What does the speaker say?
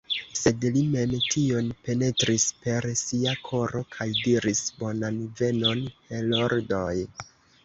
Sed li mem tion penetris per sia koro kaj diris: « Bonan venon, heroldoj!"